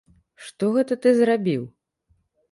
Што гэта ты зрабіў?